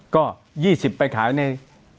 ก็๒๐ไปขายใน